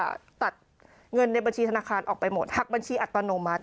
ก็ตัดเงินในบัญชีธนาคารออกไปหมดหักบัญชีอัตโนมัติ